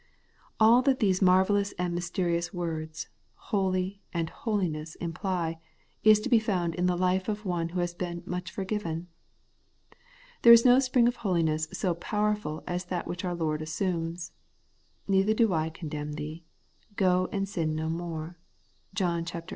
AU that these marvellous and mysterious words ' holy ' and ' holiness ' imply, is to be found in the life of one who has been * much forgiven.' There is no spring of holiness so powerful as that which our Lord assumes :' Neither do I condemn thee : go, and sin no more ' (John viii.